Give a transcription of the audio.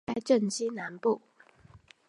位于该镇西南部。